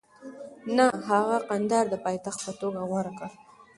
نه، هغه کندهار د پایتخت په توګه غوره کړ.